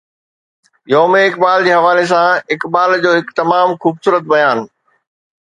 يوم اقبال جي حوالي سان اقبال جو هڪ تمام خوبصورت بيان.